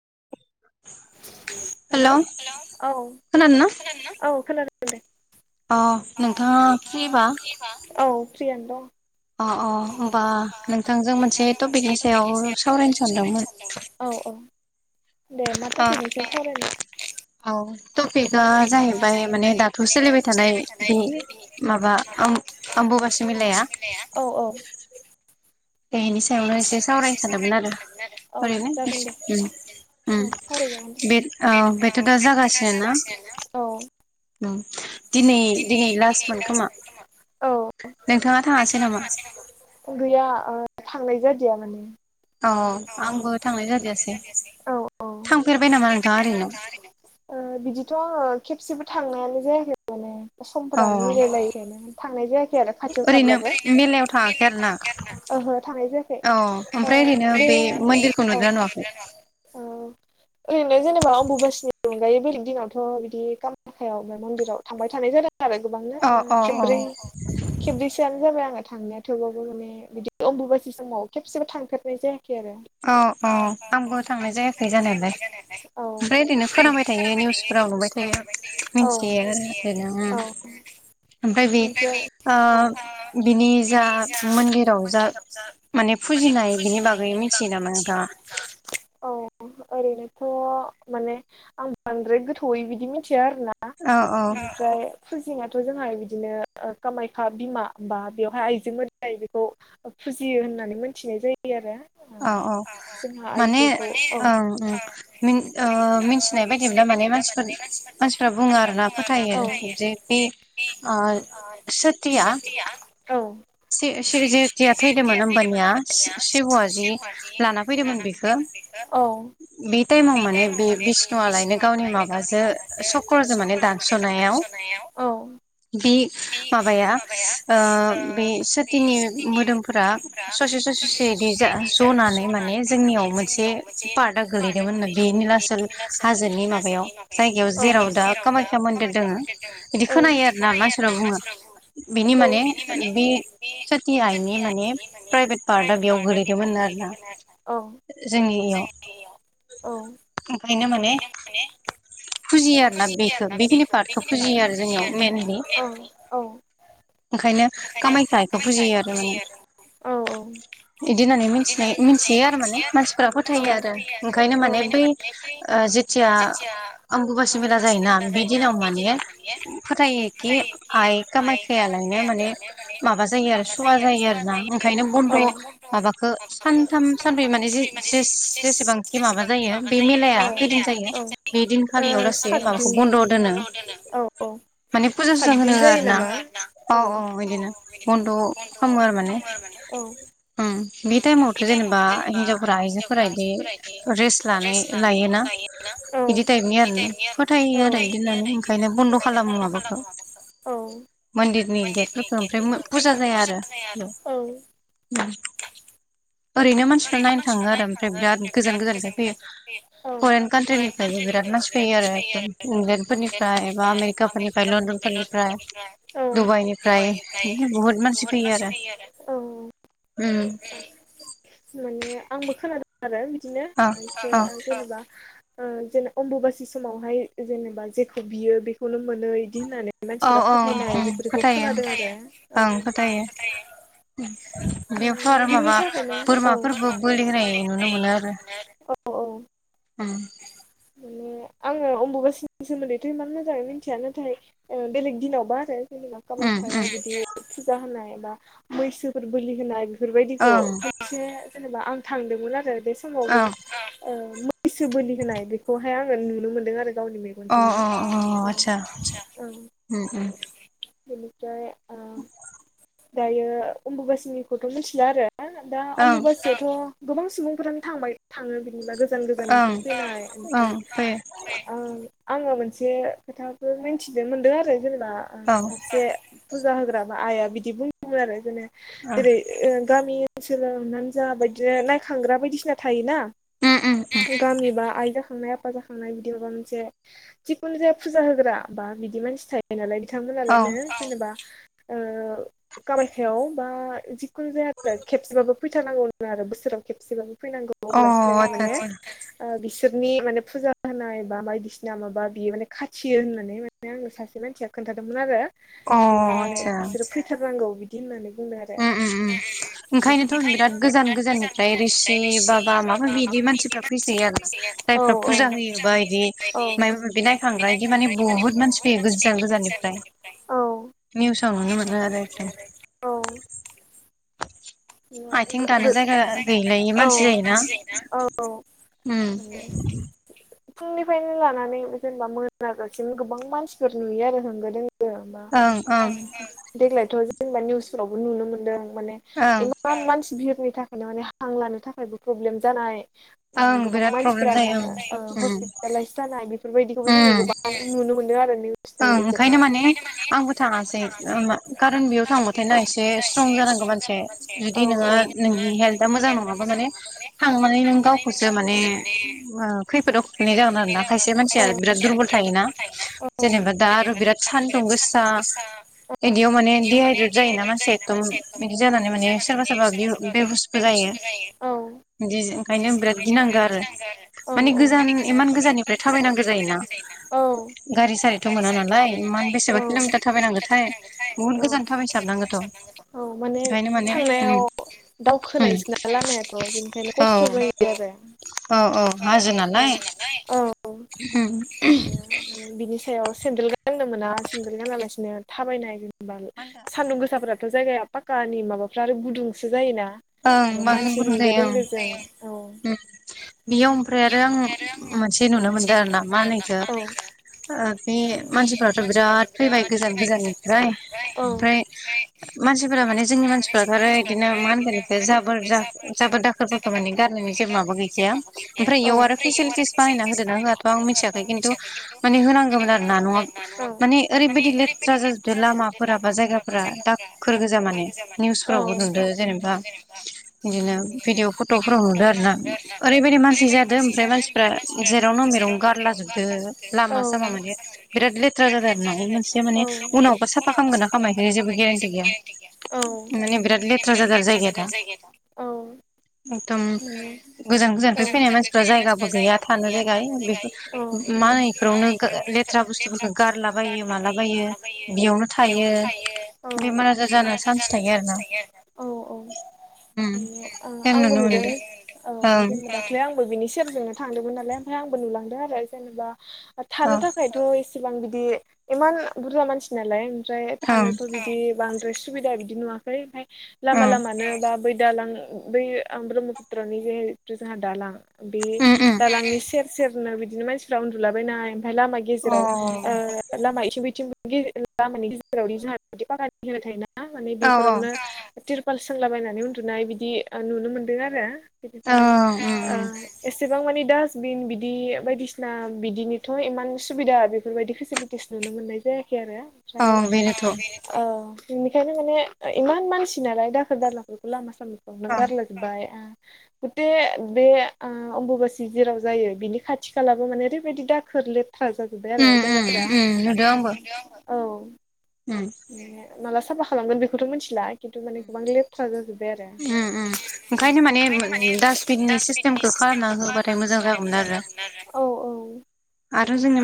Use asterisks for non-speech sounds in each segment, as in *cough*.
*inaudible* हेल' hello औ खोनादोंना औ खोनादों दे। अ नोंथाङा फ्रिबा औ फ्रियानो दं। अ अ होमबा नोंथांजों मोनसे टपिकनि सायाव सावरायनो सानदोंमोन। औ औ दे मा अ थ'पिकनि सायाव सावरायनो? औ टपिकआ जाहैबाय माने दाथ' सोलिबाय थानाय बे माबा ओम आमबु बासि मेलाया। बेनि सायावनो एसे सावरायनो सानदोंमोन आरो औ ओरैनो जागोन दे। उम उम औ सावराय जागोन औ बे ओ बेथ' दा बेदिनो जागासिनो ना जागासिनो उम दिनै दिनै लासमोन खोमा औ। नोंथाङा थाङासै नामा गैया ओ थांनाय जादिया माने। अ औ औ आंबो थांनाय जादियासै औ औ अ थांफेरबाय नामा नोंथाङा ओरैनो? ओ बिदिथ' आङो खेबसेबो थांनायानो जायाखै माने। औ समफोरानो मिलायलायिखायनो थांनाय जायाखै आरो खाथियाव ओरैनो थाब्लाबो। मेलायाव थाङाखै आरो ना ओहो थांनाय जायाखै औ ओमफ्राय ओरैनो बे मन्दिरखौ ओ बे औ नुदोंना नुवाखै औ ओरैनो जेनेबा अमबुुबासिनि अनगायै बेलेग दिनावथ' बिदि कामाखायावनो मन्दिराव थांबाय थानाय जादों। आरो गोबांनो अ ओ अ अ खेब्रै खेब्रैसोआनो जाबाय आङो। थांनाया थेवाबो माने बिदि अमबुबासि समाव खेबसेबो थांफेरनाय जायाखै आरो। औ औ आंबो थांनाय जायाखै जानायालाय औ ओमफ्राय ओरैनो खोनाबाय थायो निउस फोराव नुबा बायथायो औ मिथियो औ *unintelligible* ओमफ्राय बे औ ओ बिनि जा मन्दिराव जा माने फुजिनाय बिनि बागै मि औ बेनोथ' माने आं बांद्राय गोथौयै बिदि मिन थिया आरोना औ औ उमफ्राय फुजिना थजोंहा बिदिनो कामाक्या बिमाा बेयावहाय आइजों मोदा बेखौ फुजियो होननानै मोनथिनाय जायो आरो ओ अ अ जोंहा माने आइजोखौ औ ओं ओं मिथिनाय बायदिब्ला माने मानसिफोर मानसिफ्रा बुङो आर ना फोथायो औ जे बे सोथिया औ *unintelligible* थैदोंमोन होमबानिया *unintelligible* हवा जि लाना फैदोंमोन बेखौ औ बे टाइमाव माने बे बिष्णुआ लाय *unintelligible* गावनि माबाजो सक्रजों माने दानसनायाव औ बे माबाया ओ बे सोथिनि मोदोमफोरा ससे ससे बिदि जा जनानै माने जोंनिआव मोनसे पार्टआ गोलैदोंमोन नों बे निलासल हाजोनि माबायाव जायगायाव जेराव दा कामाख्या मन्दिर दङो बिदि खोनायो आरो ना मानसिफ्रा बुङो बिनि आरो माने बे सोथि आइनि माने प्राइभेट पार्टआ बेयाव गोलै गोलैदोमोन आरो औ इयाव जोंनियाव औ ओंखायनो माने फुजियो आरोना फुजियो आरोना बेखौ पार्टखौ बेखिनि पार्तखो फुजियो जोंनियाव आरो मेनलि जोंनियाव औ ओ ओंखायनो कामायखाइखौ फुजियो आरो माने आरो बिदि नानै मिनथिनाय मिथियो आरो मान मानसिफ्रा फोथायो आरो ओंखायनो माने बै जेथिया दा आंगुबासि मेला जायोना बि दिनाव माने फोथायो कि आइ खामायखालायनो माने माबा जायो आरो सुवा जायो आरोना ओंखायनो बन्द' माबाखो सानथाम सानब्रै माने जेसेबांखि माबा जायो बे मेलाया खैदन जायो बेदिनखालियाव लासे माबाखौ बन्द' दोनो औ औ माने फुजा सुजा होनो सातदिन होआ जायो आरो ना नामा औ औ इदिनो बन्द' खामो माने औ ओम बे टाइमावथ' जेनेबा हिन्जावफोरा आइजोफोरा इदि रेस्ट लानाय लायोना औ इदि टाइपनि आरोना फोथायो आरो बिदि होननानै ओंखायनो बन्द' खालामो माबाखौ औ मोन्दिरनि गेटफोरखौ ओमफ्राय फुजा जाया आरो औ बेव ओरैनो मानसिफ्रा नायनो थाङो आरो ओमफ्राय बिराद गोजान गोजानफ्राय फैयो फरेन कान्ट्रिनिफ्रायबो बिराद मानसि फैयो आरो एकदम इंलेण्ड फोरनिफ्राय एबा आमेरिकाफोरनिफ्राय लण्डन फोरनिफ्राय डुबाइनिफ्राय डुबाइनिफ्राय बुहुत मानसि फैयो आरो उम माने आंबो खोनादों आरो औ औ बिदिनोसे जेनेबा ओजेने अम्बुबासि समावहाय जेनेबा जेखौ बियो बेखौनो मोनो इदि होननानै औ मानसिफोरा औ फोथायनाय उम बेफोरखौ फोथायो खोनादों आरो औ औ ओं फोथायो माने बेयावथ' आरो बिनि माबा थाखायनो बोरमा बोरमाफोरबो फोरबो बोलि होनाय आरो नुनो मोनो आरो औ उम औ आङो अमबुबासिनि सोमोन्दैथ' इमान मोजाङै मिथिया नाथाय बेलेग दिनावबा आरो जोंबा उम कामायखायाव उम बिदि फुजा होनाय बा मैसोफोर बोलि होनाय बेफोरबायदिखौ ओं खेबसे जेनेबा आं थांदोंमोन आरो बे समावबो औ बोलि होनाय बेखौहाय आङो नुनो मोनदों आरो गावनि अ अ मेगनजोंनो अ आतसा बिनिफ्राय दायो अमबुबासिनि खौथ' मिथिला आरो दा ओं अम्बुबासियाथ' गोबां सुबुंफोरानो थांबाय थाङो बिदिब्ला गोजान गोजाननि ओं फैनाय ओं ओफ्राय फैयो आ आङो मोनसे खोथाखौ मिथिनो मोनदों आरो जेनेबा औ सासे फुजा होग्रा मा आइआ बिदि बुंदोंमोन आरो जेने ओं जेरै ओ गामि ओनसोलनानै जा बदिनो नायखांग्रा बायदिसिना थायोना उम उम उम गामिबा आइदा नाय आफा श जाखांनाय जिखुनु जाया फुजा होग्रा बा बिदि मानसि थायो नालाय औ बिथांमोनालायनो जेनेबा कामायखयाव बा जिखुनु जाया आरो खेबसेबाबो फैथारानांगौ आरो बोसोराव खेबसेबाबो फैनांगौ अ अब्लासलाय आतसा माने आतसा ओ बिसोरनि माने फुजा खानाय बा बायदिसिना माबा बियो माने खाथियो होननानै माने आंनो सासे मानसिया खोन्थादोंमोन आरो ए अ आतसा बिसोरो फैथारनांगौ बिदि होननानै बुंदों आरो उम उम ओंखायनोथ' बिराद गोजान गोजाननिफ्राय रिसि बाबा माबााबिदि मानसिफोरा फैस औ औ जायफ्रा फुजा होयोबा बिदि माब माबि नायखांग्रा बिदि माने बहुत मानसि गोजान गोजाननिफ्राय औ निउसाव नुनो मोनो आरो एकदम औ आथिं दानो जायगा गैलायै औ मानसि जायोना औ उम फुंनिफ्रायनो लानानै जेनेबा मोनागासिनो गोबां मानसिफोर नुयो आरो होंगो-दोंगो बा ओं ओं देग्लायथ' जेनेबा निउसफोरावबो नुनो मोनदों माने ओं एमान सि बिहरनि थाखायनो माने हां लानो थाखायबो प्रब्लेम जानाय ओ ओं गोबां बिराद प्रब्लेम जायो मानसिफ्रानो ओं हस्पिटेलाइस जानाय बि बेफोरबायदिखौबो उम जोङो गोबां नुनो मोनदो आरो निउस नि ओंखायनो माने आंबो थाङासै खारन बेयाव खार थांबाथाय बेयशथाङासैख ना एसे जखौ मोसे बिदि नंङा नोंनि हेल्थआ मोजां नङाबा माने थांनानै नों गावखौसो माने ओखैफोदाव खैख्लैनाय जागोन आरो ना खायसे मानसिया बिराद दुरबल थायोना जेनेबा माने दा आरो बिराद सान्दुं गोसा बिदियाव माने दिडहाइद्रेट जायोना मानसिया एकदम बिदि जानानै माने सोरबा सोर सोरबा बेहुसबो जायो एदिओंखायनो बिराद गिनांगौ आरो माने गोजान इमान गोजाननिफ्राय थाबायनांगौ जायोना औ साहिथ' मोना नालाय इमान बेसेबा किल'मिटार थाबायनांगौथाय बुहुत औ गोजान थाबायसाबनांगौथ' औ माने ओंखायनो माने थांनाय उम याव उम दावखोनायसो न लामायाथ' बेनिखायनो औ खस्थ' जायो आरो औ औ हाजो नालाय औ उम बेयाव सेन्देल गाननो मोना सेन्देल गाना लासिनो थाबायनाय जेनेबा मा होनदों सान्दुं गोसाफोरा दाथ' जायगाया पाकानि माबाफ्रा आरो गुदुंसो जायो ना ओं आरो बांसिन मानसि गुदुं होंगो जायो ओं दोंगो जाय औ बेयाव ओमफ्राय आरो आं मोनसे नुनो मोनदों आरो ना मा होनो इखो औ बे मानसिफोराथ' बिराद फैबाय गोजान गोजाननिफ्राय औ ओमफ्राय मानसिफोरा माने जोंनि मानसिफोराथ'आरो बिदिनो मा होनगोन जाबोर जाबोर दाखोरफोरखौ माने गारनायनि जेबो माबा गैखाया ओमफ्राय इयाव आरो फेसिलिटिस बानायना होदोना होआथ' आं मिथियाखै खिन्थु माने होनांगोमोन आरो ना नङा माने ओरैबायदि लेट थ्रा जाजोबदो लामाफोरा बा जायगाफोरा दाखोर गोजा माने औ निउसफोरावबो नुदो जेनेबा *inaudible* बिदिनो भिदिअ'फट'फोराव नुदो आरो ना ओरैबायदि मानसि जादों ओमफ्राय मानसिफ्रा जेरावनो मेरावनो मे वनो गारलाजोबदो लामा औ सामा मानि बिराद लेथ्रा जादो आरो बे मोनसेया माने औ उनावबो साफ फाखालामोना खालामा जेबो गेरटि गैया माने बिराद लेत बिराद लेथ्रा जादों जायगाया औ ना एदम गोजान गोजाननिफ्राय फैनाय मानसिफ्रा जायगाबो गैया थानो जायगाय यै बेफोर औ मा होनो इफोरावनो गो ले लेथ्रा बुस्थुफोरखौ गारलाबायो मालाबायो बेयावनो थायो बेमार आजार जानानै हाजानो चान्स थायो आरोना उम औ औ जों आंबो नुनो नुदों मोनदों औ ओं जेनेबा दाखलिआंबो बेनि सेरजोंनो थांदोंमोन नालाय ओमफ्राय आंबो नुलांदों आरो जेनेबा थानो थाखायथ' ए बिसेबां बिदि इमान बुरजा मानसि नालाय ओमफ्राय ओं थानोथ' बिदि बां सुबिदा बिदि नुआखै ओमफाय लामा ओं ओं लामानो दा बै दालां बै ब्रह्मपुत्रनि जे जोंहा दालां बे उम उम दालांनि सेर सेरनो बिदिनो मानसिफ्रा उन्दुलाबायनाय ओमफफ्राय लामा गेजेराव अ ओ लामा इथिं बथिंबो गे गामिनि गेजेरावदि जोंङा बिदि बागान होनाय थायोना माने औ बेफोरावनो तिरपाल सोंलाबायायनानै उन्दुनाय बिदि नुनो मोन्दों आरो बिनिफ्राय ओं उम ओ उम एसेबां मानि दा बिन बिदि बायदिसिना बिदिनोथ' इमान सुबिदा बेफोरबायदि फेसिलिटिस नुनो मोननाय जाया खै औ बेनोथ' ओं आरो बेनिखायनो माने इमान मानसि नाालाय दाखोर दालाफोरखौ लामा सामाफ्रावनो गारलाजोबबाय गटे बे ओ अम्बुबासि जेराव जायो बिनि खाथि खालाबो माने ओरैबायदि दाखोर ले थ्रा जाजोब्बाय आरो उम उम जायगाफोरा उम नुदों आंबो औ उम माला साफा खालामगोन बेखौथ' मिथिला खिन्थु माने गोबां लेथ्रा जाजोब्बाय आरो ओंखायनो माने डासबिननि सिस्टेमखौ खालामना होबाथाय मोजां जागौमोन आरो औ औ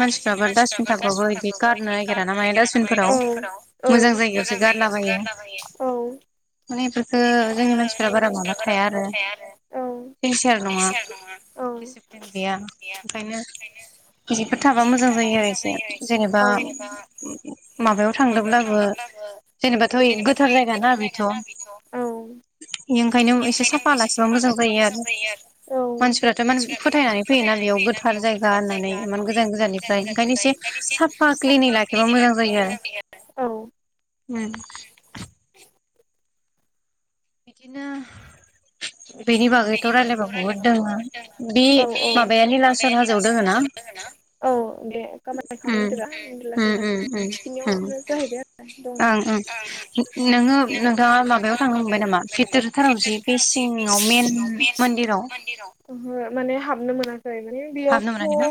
आरो जोंनि मानसिफ्राबो डास्बिनखौबो बिदि गारनो नागिरा न माय दासबिनफोराव मोजां जायगायावसो गारलाबायो औ माने बेफोरखो जोंनि मानसिफोरा बारा माबा थाया आरो सिनसियार नङा। दिसिप्लिन गैया ओंखायनो बिदिफोर थाबा मोजां जायो आरो एसे जेनेबा माबायाव थांदोंब्लाबो जेनेबाथ' गोथार जाय गोथार जायगा ना बेथ' औ बे निंखायनो एसे साफा लाखिबा मोजां जायो आरो मानसिफ्राथ' माने फोथायनानै फैयोना बे बेयाव गोथार जायगा होननानै गोजान गोजाननिफ्राय ओंखायनो इसे साफा क्लिनै लाखिबा मोजां जायो आरो उ *inaudible* बिदिनो बेनि बागैथ' रायलायबा बुहुद दङ बे माबाया निलाचर हाजोआव दोङ ना? औ दे कामाख्या उम मंदिरा निलाचल उम उम हाजोआव उम उम थिखिनियावनो जाहैबाय आरो दं ओं ओं आरो नोङो नोंथाङा माबायाव थांनो मोनबाय नामा गेदेरथाराव जि बे सिङाव मेन मन्दिराव ओ माने हाबनो मोना खैर हाबनो बेयावथ' मोनाखै ना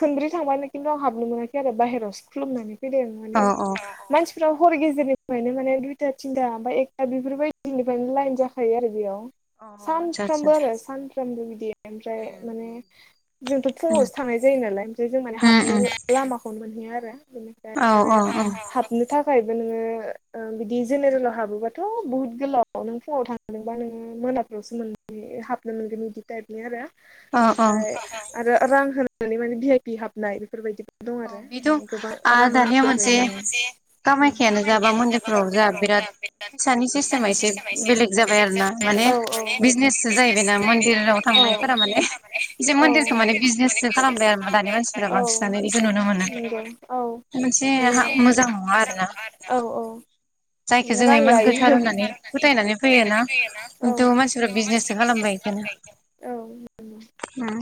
खनब्रै थांबानो खिन्थु आं हाबनो मोनाखै आरो बाहेरायावावसो खुलुमनानै फैदों औ माने औ मानसिफ्रा हर गेजेरनिफ्रायनो माने दुइथा थिनथा एकथा बेफोरबायदिनिफ्रायनो लाइन जाखायो आरो बेयाव अ आतसा आतसा सानफ्रामबो आरो सानफ्रामबो बिदि ओमफ्राय उम माने जोंथ' फुङावसो थांनाय जायो नालाय ओमफ्राय जों माने उम हाबनो उम लामाखौनो आरो औ बिनिफ्राय औ आरो औ हाबनो था खायबो नोङो बिदि जेनेरेलाव हाबोबाथ' बुहुत गोलाव नों फुङाव थांदोंबा नोङो मोना नायावसो मोनगोन हाबनो मोनगोन बिदि थाइबनि आरो औ औ ओमफाय रां हो नानै माने भि आइ पि हाबनाय बेफोरबायदि दं औ आरो बेथ' गोबां रां नांगौ जायो। औ कामायखानो जाबा मन्दिरफोराव जा बिराद फैसानि सिस्टेमा एसे बेलेग जाबाय आरो ना माने औ बिजनेससो औ जाहैबायना बिजनेसो मन्दिराव जाहैबायना थांनायफोरा मन्दिर माने थांनायफोरा एसे माने मन्दिरखौ मनदिरखौ बिजनेससो माने खालामबाय आरो बिजनेसो दानि मानसिफोरा खालाम बांसिनानो दानिमानसिफोरा बेखौ नुनो मोनो नंगौ औ मोनसे माने मोजां नङा आरोना औ औ जायखौ माने जोङो रां इमान गोथार लायो होननानै फोथायनानै फैयोना औ खिन्थु मानसिफ्रा बिजनेससो खालामबाय *inaudible* औ ओम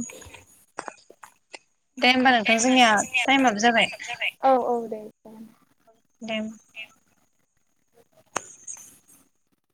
दे होमबा नोंथां जोंना थाइमाबो जाबाय औ औ दे दे देम *inaudible*